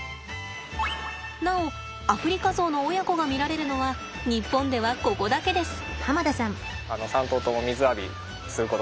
なおアフリカゾウの親子が見られるのは日本ではここだけです。